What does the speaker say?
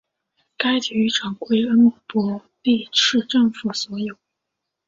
该体育场归恩波利市政府所有。